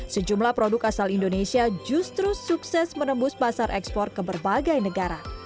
sejumlah produk asal indonesia justru sukses menembus pasar ekspor ke berbagai negara